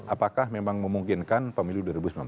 apakah memang memungkinkan pemilu dua ribu sembilan belas